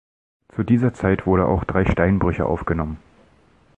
Zu dieser Zeit wurde auch drei Steinbrüche aufgenommen.